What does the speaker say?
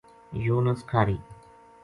یونس کھاہری